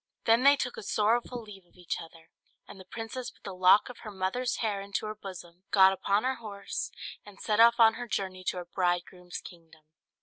Then they took a sorrowful leave of each other, and the princess put the lock of her mother's hair into her bosom, got upon her horse, and set off on her journey to her bridegroom's kingdom.